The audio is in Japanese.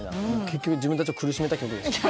結局自分たちを苦しめた曲ですね。